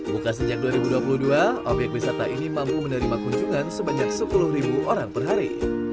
buka sejak dua ribu dua puluh dua obyek wisata ini mampu menerima kunjungan sebanyak sepuluh orang per hari